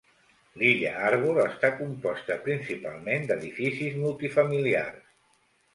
L'illa Harbor està composta principalment d'edificis multifamiliars.